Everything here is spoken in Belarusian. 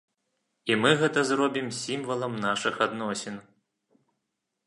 І мы зробім гэта сімвалам нашых адносін.